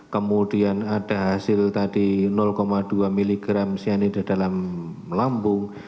kemudian ada hasil tadi dua mg cyanida dalam lambung